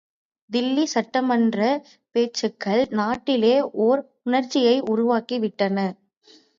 தில்லி சட்மன்ற பேச்சுக்கள் நாட்டிலே ஓர் உணர்ச்சியை உருவாக்கி விட்டன.